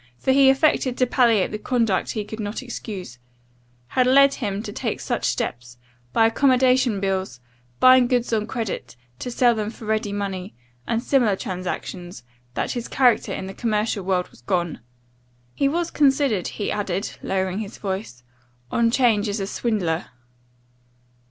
for he affected to palliate the conduct he could not excuse, 'had led him to take such steps, by accommodation bills, buying goods on credit, to sell them for ready money, and similar transactions, that his character in the commercial world was gone. He was considered,' he added, lowering his voice, 'on 'Change as a swindler.